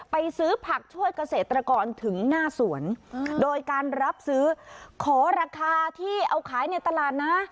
ซื้อผักช่วยเกษตรกรถึงหน้าสวนโดยการรับซื้อขอราคาที่เอาขายในตลาดนะ